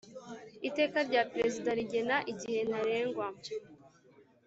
Iteka rya Perezida rigena igihe ntarengwa.